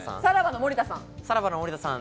さらばの森田さん。